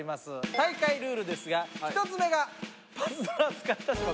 大会ルールですが１つ目がパズドラを使った種目。